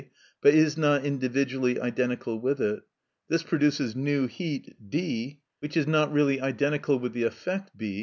but is not individually identical with it), this produces new heat, D. (which is not really identical with the effect B.